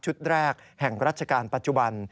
แรกแห่งราชการปัจจุบัน